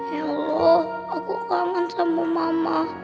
ya allah aku kangen sama mama